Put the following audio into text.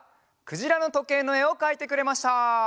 「くじらのとけい」のえをかいてくれました！